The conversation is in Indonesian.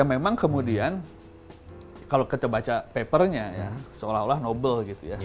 memang kemudian kalau kita baca papernya ya seolah olah nobel gitu ya